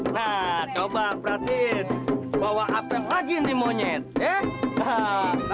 nah coba perhatiin bawa apel lagi nih monyet ya